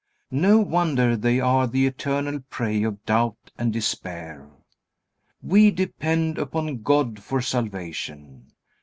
No wonder they are the eternal prey of doubt and despair. We depend upon God for salvation.